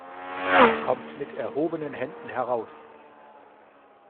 Kommt mit erhobenen Händen heraus!